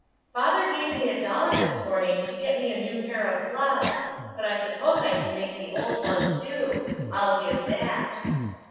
" Father gave me a dollar this morning to get me a new pair of gloves; but I sup pose I can make the old ones do. I'll give that."